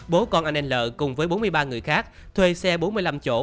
bố con anh n l cùng với bốn mươi ba người khác thuê xe bốn mươi năm chỗ